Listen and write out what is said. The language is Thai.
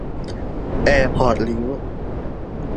แอร์พอร์ตลิงก์